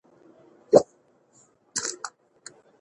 مس د افغانستان په هره برخه کې موندل کېږي.